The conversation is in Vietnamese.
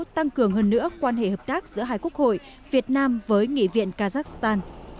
tăng cường hơn nữa quan hệ hợp tác giữa hai quốc hội việt nam với nghị viện kazakhstan